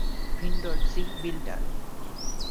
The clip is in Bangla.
ভিন্ডর জি, বিল্ডার।